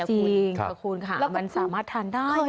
จริงขอบคุณค่ะมันสามารถทานได้